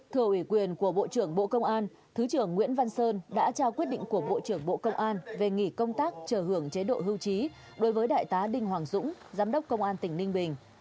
thừa ủy quyền của bộ trưởng bộ công an thứ trưởng nguyễn văn sơn đã trao quyết định của bộ trưởng bộ công an về nghỉ công tác chờ hưởng chế độ hưu trí đối với đại tá đinh hoàng dũng giám đốc công an tỉnh ninh bình